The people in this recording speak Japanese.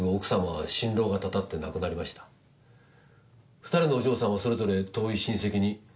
２人のお嬢さんはそれぞれ遠い親戚に。